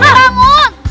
taruh taruh taruh